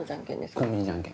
コンビニじゃんけん。